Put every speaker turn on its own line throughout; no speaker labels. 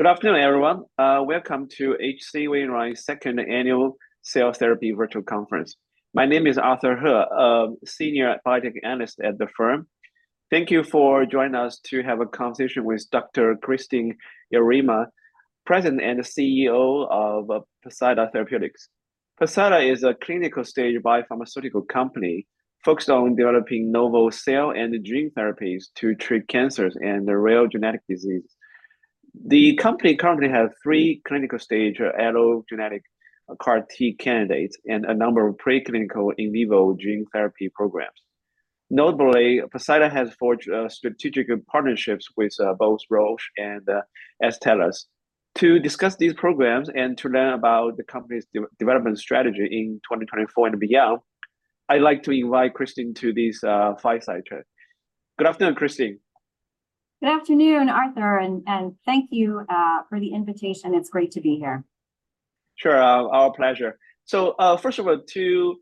Good afternoon, everyone. Welcome to H.C. Wainwright's second annual Cell Therapy Virtual Conference. My name is Arthur He, a senior biotech analyst at the firm. Thank you for joining us to have a conversation with Dr. Kristin Yarema, President and CEO of Poseida Therapeutics. Poseida is a clinical stage biopharmaceutical company focused on developing novel cell and gene therapies to treat cancers and the rare genetic diseases. The company currently has three clinical stage allogeneic CAR-T candidates, and a number of preclinical in vivo gene therapy programs. Notably, Poseida has forged strategic partnerships with both Roche and Astellas. To discuss these programs and to learn about the company's development strategy in 2024 and beyond, I'd like to invite Kristin to this fireside chat. Good afternoon, Kristin.
Good afternoon, Arthur, and thank you for the invitation. It's great to be here.
Sure, our pleasure. So, first of all, to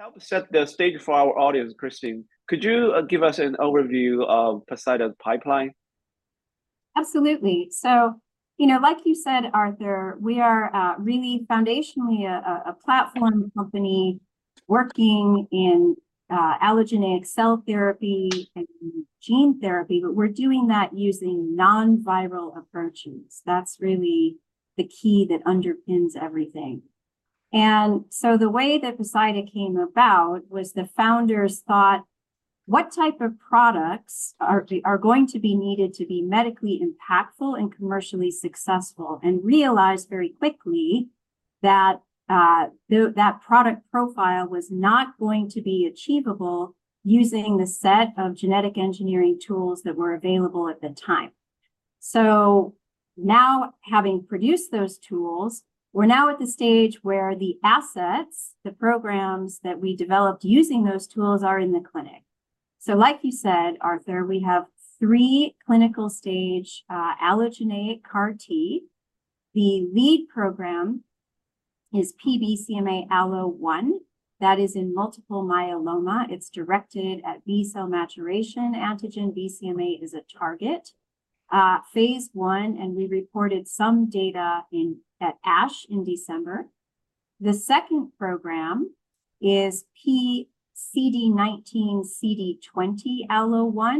help set the stage for our audience, Kristin, could you give us an overview of Poseida's pipeline?
Absolutely. So, you know, like you said, Arthur, we are really foundationally a platform company working in allogeneic cell therapy and gene therapy, but we're doing that using non-viral approaches. That's really the key that underpins everything. And so the way that Poseida came about was the founders thought, "What type of products are going to be needed to be medically impactful and commercially successful?" And realized very quickly that that product profile was not going to be achievable using the set of genetic engineering tools that were available at the time. So now, having produced those tools, we're now at the stage where the assets, the programs that we developed using those tools, are in the clinic. So like you said, Arthur, we have three clinical stage allogeneic CAR-T. The lead program is P-BCMA-ALLO1. That is in multiple myeloma. It's directed at B-cell maturation antigen. BCMA is a target. Phase 1, and we reported some data in at ASH in December. The second program is P-CD19CD20-ALLO1.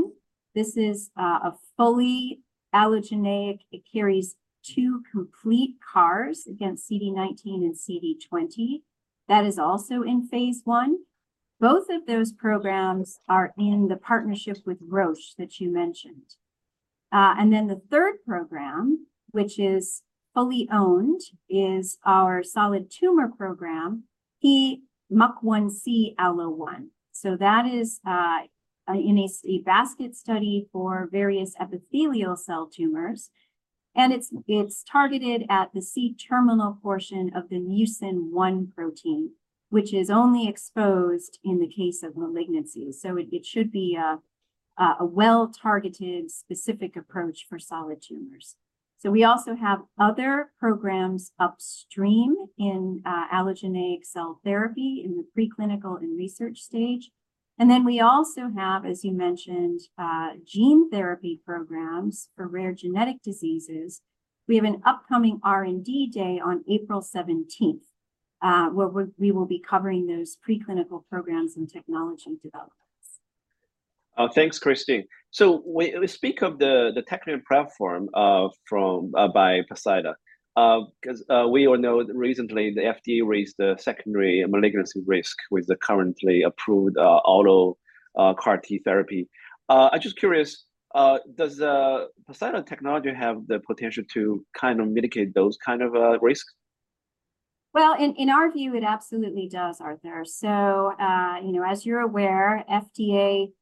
This is a fully allogeneic. It carries two complete CARs against CD19 and CD20. That is also in phase 1. Both of those programs are in the partnership with Roche that you mentioned. And then the third program, which is fully owned, is our solid tumor program, P-MUC1C-ALLO1. So that is in a basket study for various epithelial cell tumors, and it's targeted at the C-terminal portion of the mucin 1 protein, which is only exposed in the case of malignancy. So it should be a well-targeted specific approach for solid tumors. So we also have other programs upstream in allogeneic cell therapy in the preclinical and research stage, and then we also have, as you mentioned, gene therapy programs for rare genetic diseases. We have an upcoming R&D day on April 17th, where we will be covering those preclinical programs and technology developments.
Oh, thanks, Kristin. So we speak of the technical platform by Poseida. 'Cause we all know that recently the FDA raised the secondary malignancy risk with the currently approved auto CAR-T therapy. I'm just curious, does Poseida technology have the potential to kind of mitigate those kind of risks?
Well, in our view, it absolutely does, Arthur. So, you know, as you're aware, FDA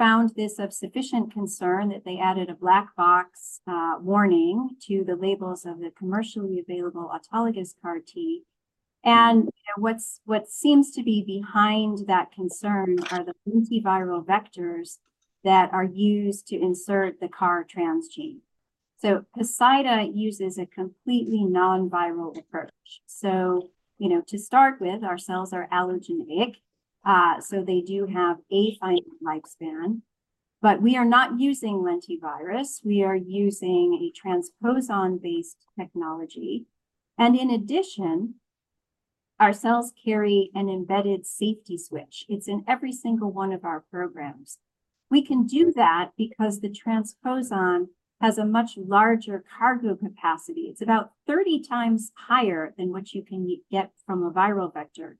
found this of sufficient concern that they added a black box warning to the labels of the commercially available autologous CAR-T. And, you know, what seems to be behind that concern are the lentiviral vectors that are used to insert the CAR transgene. So Poseida uses a completely non-viral approach. So, you know, to start with, our cells are allogeneic, so they do have a finite lifespan, but we are not using lentivirus, we are using a transposon-based technology. And in addition, our cells carry an embedded safety switch. It's in every single one of our programs. We can do that because the transposon has a much larger cargo capacity. It's about 30 times higher than what you can get from a viral vector.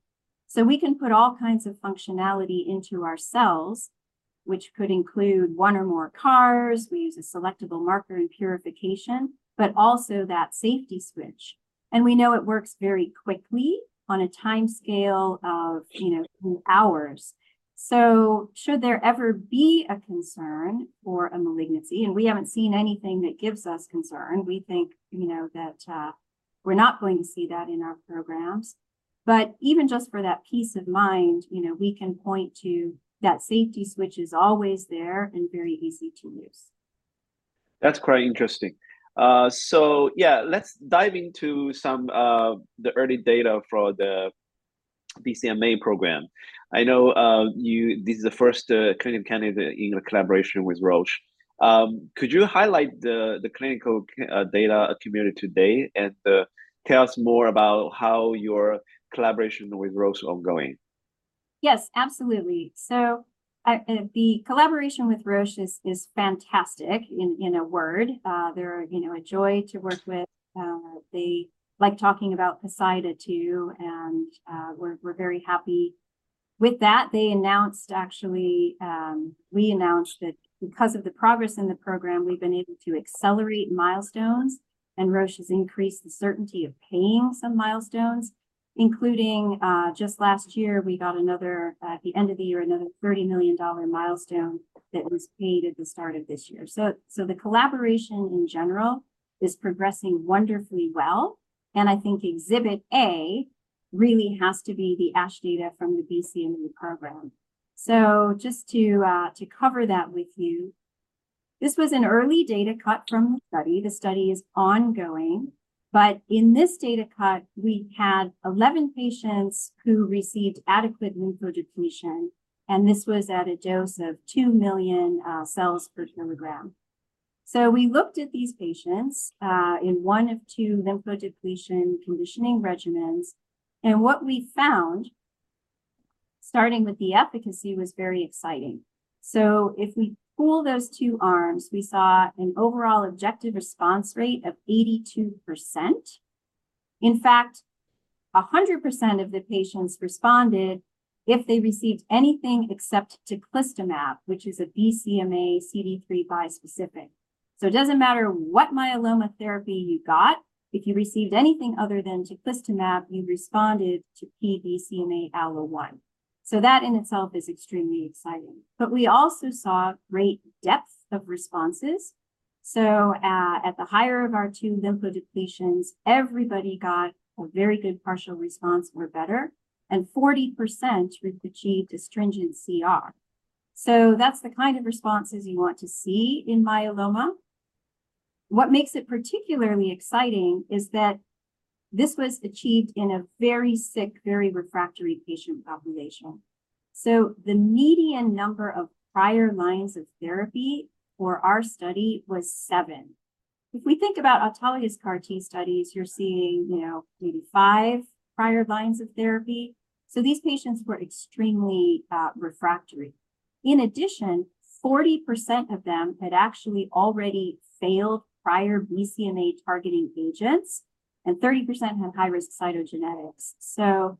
So we can put all kinds of functionality into our cells, which could include one or more CARs, we use a selectable marker and purification, but also that safety switch, and we know it works very quickly on a timescale of, you know, hours. So should there ever be a concern for a malignancy, and we haven't seen anything that gives us concern, we think, you know, that, we're not going to see that in our programs. But even just for that peace of mind, you know, we can point to that safety switch is always there and very easy to use.
That's quite interesting. So yeah, let's dive into some of the early data for the P-BCMA program. I know, this is the first clinical candidate in a collaboration with Roche. Could you highlight the clinical data accumulated today, and tell us more about how your collaboration with Roche ongoing?
Yes, absolutely. So, the collaboration with Roche is fantastic, in a word. They're, you know, a joy to work with. They like talking about Poseida, too, and we're very happy. With that, they announced actually we announced that because of the progress in the program, we've been able to accelerate milestones, and Roche has increased the certainty of paying some milestones, including just last year, we got another at the end of the year, another $30 million milestone that was paid at the start of this year. So the collaboration in general is progressing wonderfully well, and I think Exhibit A really has to be the ASH data from the BCMA program. So just to cover that with you, this was an early data cut from the study. The study is ongoing, but in this data cut, we had 11 patients who received adequate lymphodepletion, and this was at a dose of 2 million cells per kilogram. So we looked at these patients in one of two lymphodepletion conditioning regimens, and what we found, starting with the efficacy, was very exciting. So if we pool those two arms, we saw an overall objective response rate of 82%. In fact, 100% of the patients responded if they received anything except Teclistamab, which is a BCMA CD3 bispecific. So it doesn't matter what myeloma therapy you got, if you received anything other than Teclistamab, you responded to BCMA-ALLO1. So that in itself is extremely exciting. But we also saw great depth of responses. So, at the higher of our two lymphodepletions, everybody got a very good partial response or better, and 40% achieved a stringent CR. So that's the kind of responses you want to see in myeloma. What makes it particularly exciting is that this was achieved in a very sick, very refractory patient population. So the median number of prior lines of therapy for our study was seven. If we think about autologous CAR-T studies, you're seeing, you know, maybe five prior lines of therapy. So these patients were extremely, refractory. In addition, 40% of them had actually already failed prior BCMA-targeting agents, and 30% had high-risk cytogenetics. So,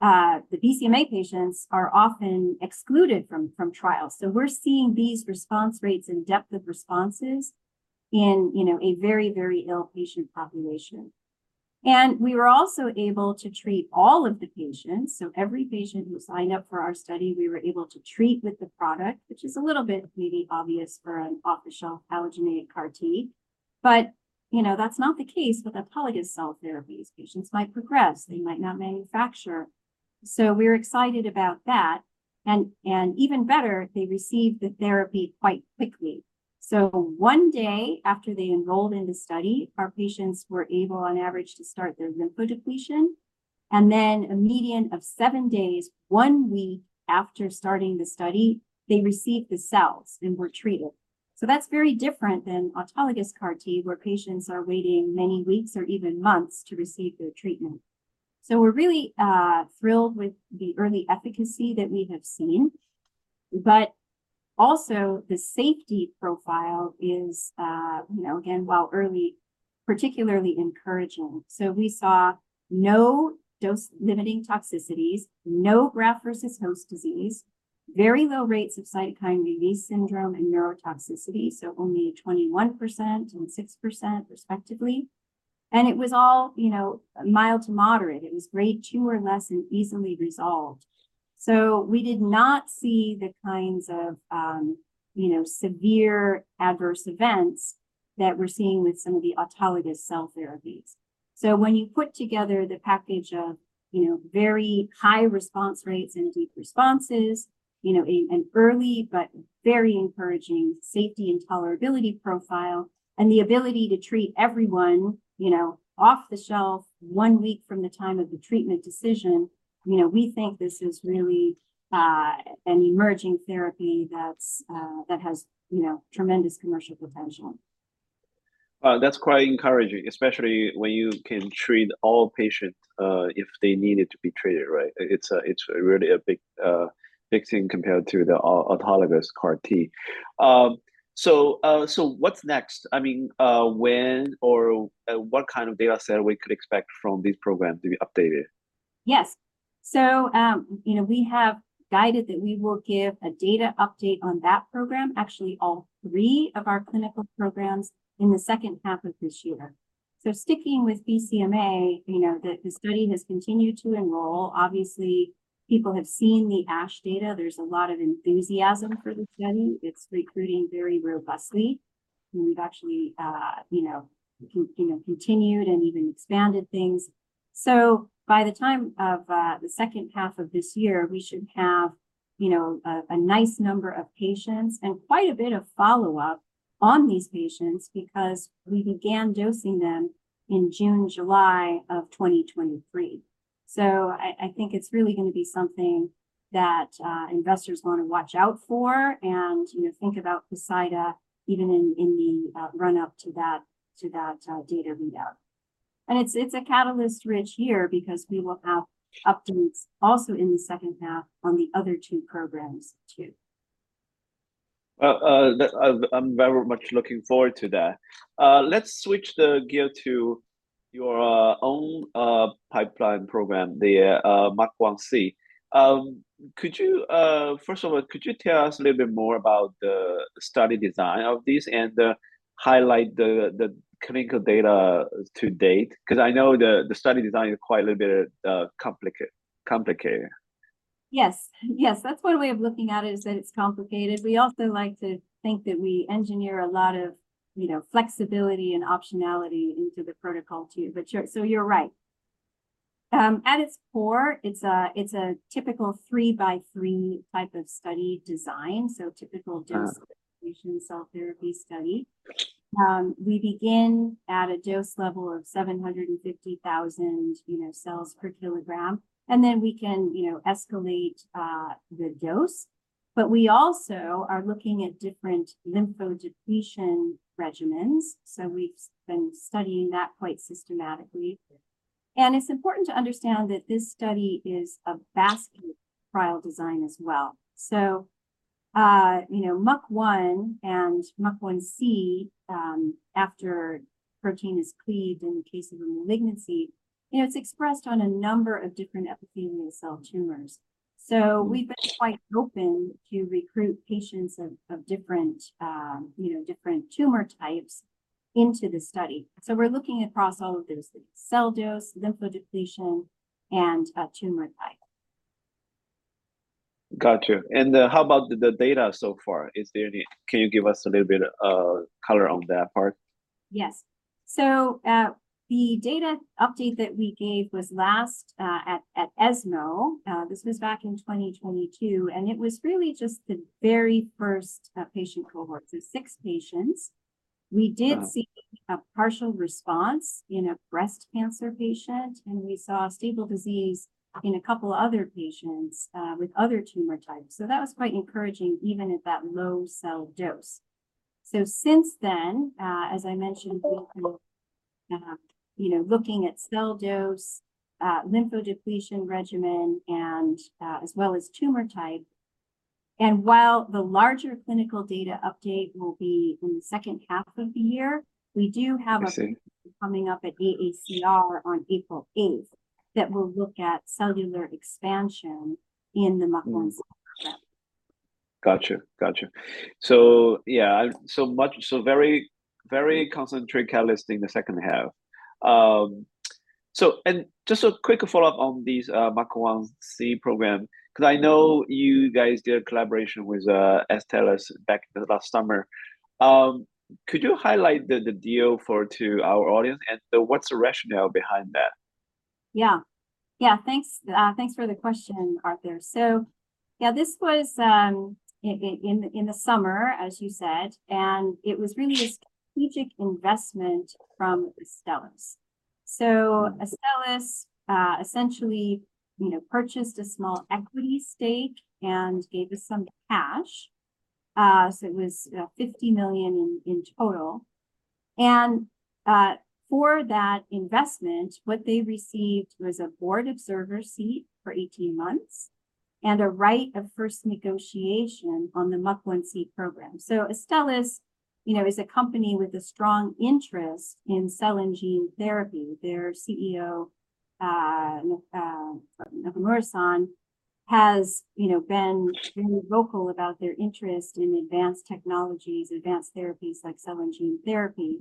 the BCMA patients are often excluded from trials. So we're seeing these response rates and depth of responses in, you know, a very, very ill patient population. We were also able to treat all of the patients, so every patient who signed up for our study, we were able to treat with the product, which is a little bit maybe obvious for an off-the-shelf allogeneic CAR-T, but, you know, that's not the case with autologous cell therapies. Patients might progress, they might not manufacture. We're excited about that, and even better, they received the therapy quite quickly. One day after they enrolled in the study, our patients were able, on average, to start their lymphodepletion, and then a median of seven days, one week after starting the study, they received the cells and were treated. That's very different than autologous CAR-T, where patients are waiting many weeks or even months to receive their treatment. So we're really thrilled with the early efficacy that we have seen, but also the safety profile is, you know, again, while early, particularly encouraging. So we saw no dose-limiting toxicities, no graft-versus-host disease, very low rates of cytokine release syndrome and neurotoxicity, so only 21% and 6%, respectively. And it was all, you know, mild to moderate. It was grade two or less and easily resolved. So we did not see the kinds of, you know, severe adverse events that we're seeing with some of the autologous cell therapies. So when you put together the package of, you know, very high response rates and deep responses, you know, an early but very encouraging safety and tolerability profile, and the ability to treat everyone, you know, off the shelf, one week from the time of the treatment decision, you know, we think this is really, an emerging therapy that's, that has, you know, tremendous commercial potential.
That's quite encouraging, especially when you can treat all patients if they needed to be treated, right? It's really a big, big thing compared to the autologous CAR-T. So, what's next? I mean, when or what kind of data set we could expect from this program to be updated?
Yes. So, you know, we have guided that we will give a data update on that program, actually, all three of our clinical programs, in the second half of this year. So sticking with BCMA, you know, the study has continued to enroll. Obviously, people have seen the ASH data. There's a lot of enthusiasm for the study. It's recruiting very robustly, and we've actually, you know, continued and even expanded things. So by the time of the second half of this year, we should have you know, a nice number of patients and quite a bit of follow-up on these patients, because we began dosing them in June, July of 2023. So I think it's really gonna be something that investors wanna watch out for, and, you know, think about Poseida even in the run-up to that data readout. And it's a catalyst-rich year, because we will have updates also in the second half on the other two programs, too.
Well, I'm very much looking forward to that. Let's switch the gear to your own pipeline program, the MUC1-C. First of all, could you tell us a little bit more about the study design of this and highlight the clinical data to date? 'Cause I know the study design is quite a little bit complicated.
Yes. Yes, that's one way of looking at it, is that it's complicated. We also like to think that we engineer a lot of, you know, flexibility and optionality into the protocol, too. But sure... So you're right. At its core, it's a typical 3-by-3 type of study design, so typical dose escalation cell therapy study. We begin at a dose level of 750,000, you know, cells per kilogram, and then we can, you know, escalate the dose. But we also are looking at different lymphodepletion regimens, so we've been studying that quite systematically. And it's important to understand that this study is a basket trial design as well. So, you know, MUC1 and MUC1-C, after protein is cleaved in the case of a malignancy, you know, it’s expressed on a number of different epithelial cell tumors. So we've been quite open to recruit patients of different, you know, different tumor types into the study. So we're looking across all of those things: cell dose, lymphodepletion, and tumor type.
Gotcha. And, how about the, the data so far? Is there any. Can you give us a little bit, color on that part?
Yes. So, the data update that we gave was last at ESMO. This was back in 2022, and it was really just the very first patient cohort, so six patients.
Wow.
We did see a partial response in a breast cancer patient, and we saw stable disease in a couple other patients, with other tumor types. So that was quite encouraging, even at that low cell dose. So since then, as I mentioned, we've been, you know, looking at cell dose, lymphodepletion regimen, and, as well as tumor type. And while the larger clinical data update will be in the second half of the year, we do have preview coming up at AACR on April 8th, that will look at cellular expansion in the MUC1-C program.
Gotcha. So yeah, so very, very concentrated catalyst in the second half. And just a quick follow-up on this MUC1-C program, 'cause I know you guys did a collaboration with Astellas back last summer. Could you highlight the deal for to our audience, and what's the rationale behind that?
Yeah, thanks, thanks for the question, Arthur. So yeah, this was in the summer, as you said, and it was really a strategic investment from Astellas. So Astellas, essentially, you know, purchased a small equity stake and gave us some cash. So it was $50 million in total. And for that investment, what they received was a board observer seat for 18 months, and a right of first negotiation on the MUC1-C program. So Astellas, you know, is a company with a strong interest in cell and gene therapy. Their CEO, Okamura-san, has, you know, been very vocal about their interest in advanced technologies, advanced therapies, like cell and gene therapy,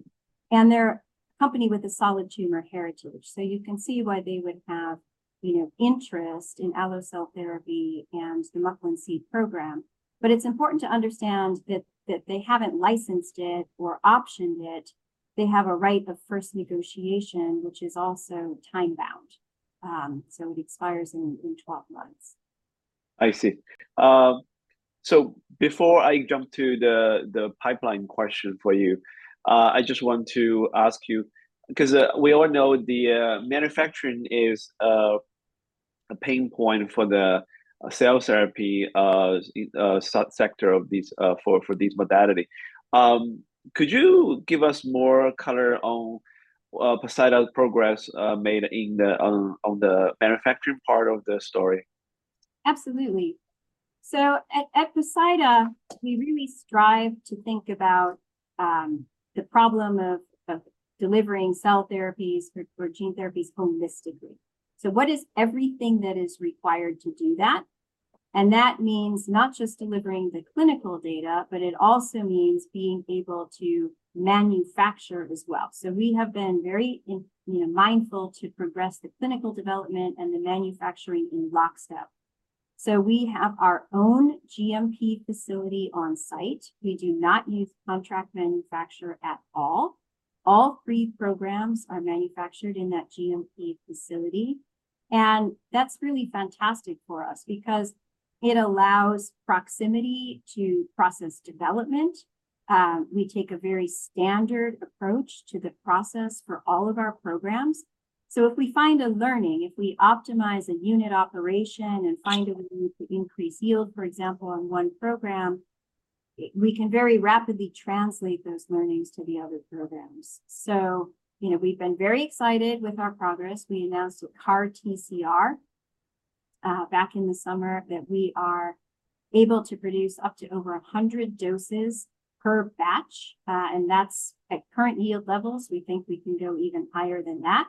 and they're a company with a solid tumor heritage. So you can see why they would have, you know, interest in allo cell therapy and the MUC1-C program. But it's important to understand that they haven't licensed it or optioned it. They have a right of first negotiation, which is also time-bound. So it expires in twelve months.
I see. So before I jump to the pipeline question for you, I just want to ask you, 'cause we all know the manufacturing is a pain point for the cell therapy sector for this modality. Could you give us more color on Poseida's progress made on the manufacturing part of the story?
Absolutely. So at Poseida, we really strive to think about the problem of delivering cell therapies or gene therapies holistically. So what is everything that is required to do that? And that means not just delivering the clinical data, but it also means being able to manufacture as well. So we have been very, you know, mindful to progress the clinical development and the manufacturing in lockstep. So we have our own GMP facility on site. We do not use contract manufacturer at all. All three programs are manufactured in that GMP facility, and that's really fantastic for us because it allows proximity to process development. We take a very standard approach to the process for all of our programs. So if we find a learning, if we optimize a unit operation and find a way to increase yield, for example, on one program, we can very rapidly translate those learnings to the other programs. So, you know, we've been very excited with our progress. We announced with CAR-T back in the summer that we are able to produce up to over 100 doses per batch. And that's at current yield levels, we think we can go even higher than that,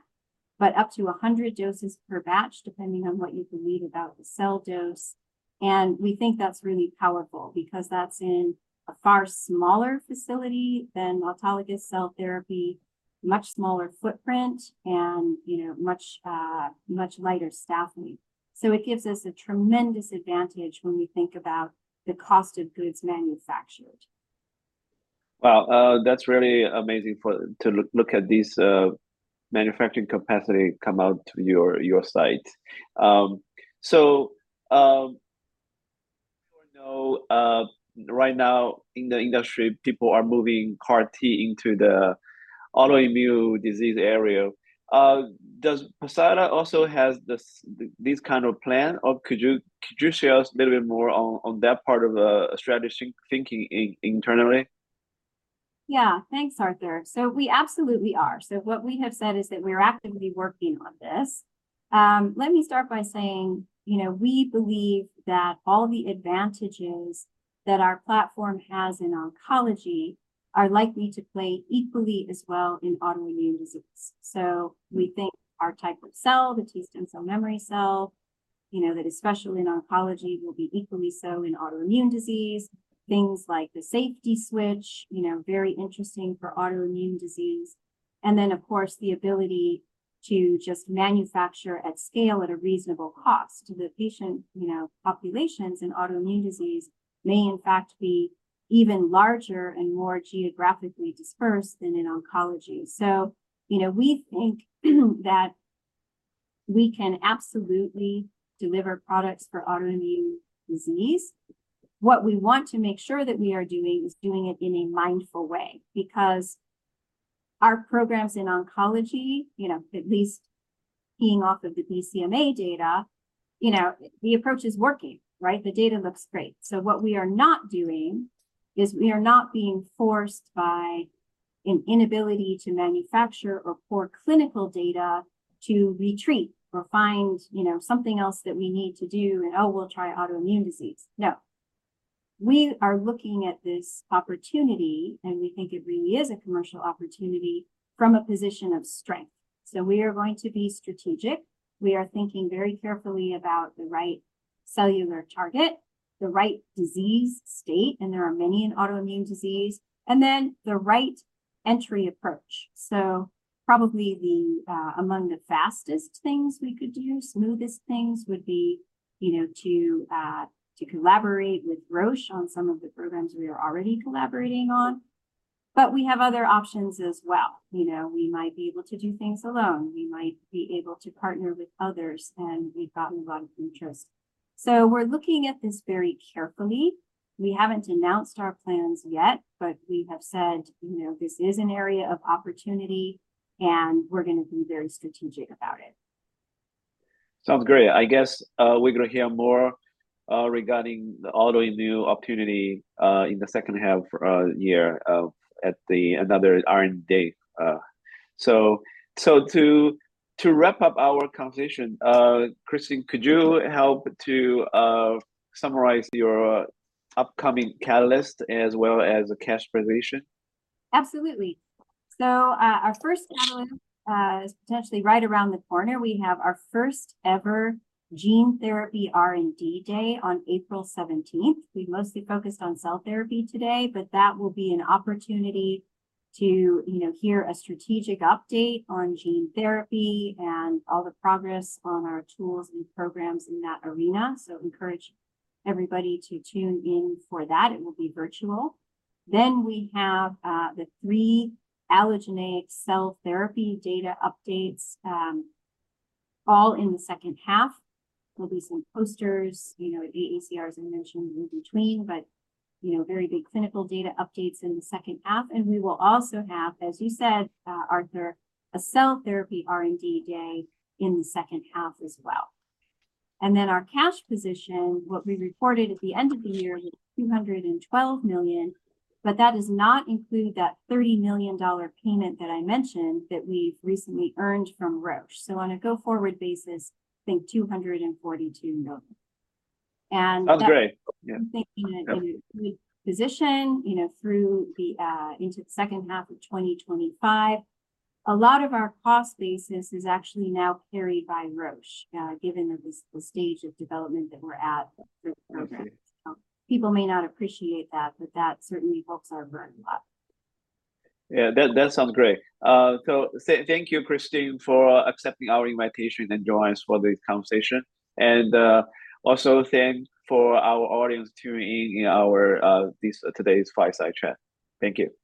but up to 100 doses per batch, depending on what you believe about the cell dose. And we think that's really powerful, because that's in a far smaller facility than autologous cell therapy, much smaller footprint, and, you know, much lighter staffing. So it gives us a tremendous advantage when we think about the cost of goods manufactured.
Wow, that's really amazing to look at this manufacturing capacity come out to your site. So, we know right now in the industry, people are moving CAR-T into the autoimmune disease area. Does Poseida also has this kind of plan? Or could you share us a little bit more on that part of strategic thinking internally?
Yeah. Thanks, Arthur. So we absolutely are. So what we have said is that we're actively working on this. Let me start by saying, you know, we believe that all the advantages that our platform has in oncology are likely to play equally as well in autoimmune disease. So we think our type of cell, the T stem cell memory cell, you know, that especially in oncology, will be equally so in autoimmune disease. Things like the safety switch, you know, very interesting for autoimmune disease, and then, of course, the ability to just manufacture at scale at a reasonable cost to the patient, you know, populations in autoimmune disease may, in fact, be even larger and more geographically dispersed than in oncology. So, you know, we think that we can absolutely deliver products for autoimmune disease. What we want to make sure that we are doing is doing it in a mindful way, because our programs in oncology, you know, at least keying off of the BCMA data, you know, the approach is working, right? The data looks great. So what we are not doing is we are not being forced by an inability to manufacture or poor clinical data to retreat or find, you know, something else that we need to do, and, "Oh, we'll try autoimmune disease." No, we are looking at this opportunity, and we think it really is a commercial opportunity from a position of strength. So we are going to be strategic. We are thinking very carefully about the right cellular target, the right disease state, and there are many in autoimmune disease, and then the right entry approach. So probably the among the fastest things we could do, smoothest things, would be, you know, to, to collaborate with Roche on some of the programs we are already collaborating on, but we have other options as well. You know, we might be able to do things alone. We might be able to partner with others, and we've gotten a lot of interest. So we're looking at this very carefully. We haven't announced our plans yet, but we have said, you know, this is an area of opportunity, and we're gonna be very strategic about it.
Sounds great. I guess we're gonna hear more regarding the autoimmune opportunity in the second half year of, at another R&D Day. So, to wrap up our conversation, Kristin, could you help to summarize your upcoming catalyst as well as the cash position?
Absolutely. So, our first catalyst, is potentially right around the corner. We have our first ever gene therapy R&D day on April seventeenth. We mostly focused on cell therapy today, but that will be an opportunity to, you know, hear a strategic update on gene therapy and all the progress on our tools and programs in that arena, so encourage everybody to tune in for that. It will be virtual. Then we have, the three allogeneic cell therapy data updates, all in the second half. There'll be some posters, you know, at the AACR, as I mentioned, in between, but, you know, very big clinical data updates in the second half. And we will also have, as you said, Arthur, a cell therapy R&D day in the second half as well. And then our cash position, what we reported at the end of the year, was $212 million, but that does not include that $30 million payment that I mentioned, that we've recently earned from Roche. So on a go-forward basis, I think $242 million.
Sounds great. Yeah.
I think we're in a good position, you know, through the into the second half of 2025. A lot of our cost basis is actually now carried by Roche, given the stage of development that we're at for the program.
Okay.
People may not appreciate that, but that certainly helps our burn a lot.
Yeah, that sounds great. So thank you, Kristin, for accepting our invitation and joining us for this conversation. And also thank for our audience tuning in in our today's Fireside Chat. Thank you.